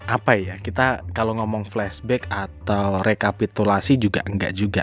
apa ya kita kalau ngomong flashback atau rekapitulasi juga enggak juga